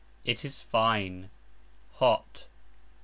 It is fine, hot.